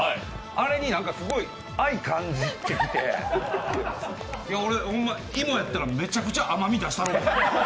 あれにすごい愛、感じてきて俺、ほんま芋やったらめちゃくちゃ甘み出せてるで。